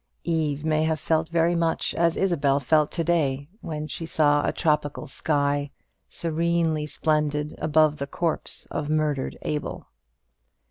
Eve may have felt very much as Isabel felt to day, when she saw a tropical sky, serenely splendid, above the corpse of murdered Abel.